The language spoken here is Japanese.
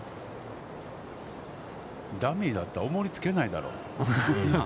ダミーだったら重りつけないだろう。